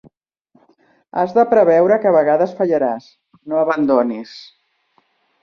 Has de preveure que a vegades fallaràs, no abandonis.